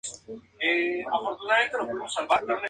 Es una de las estaciones cabeceras de la Línea Yosan.